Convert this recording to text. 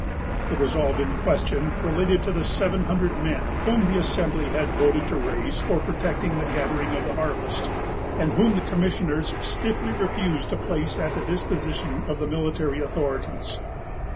The resolve in question related to the seven hundred men whom the Assembly had voted to raise for protecting the gathering of the harvest, and whom the commissioners stiffly refused to place at the disposition of the military authorities.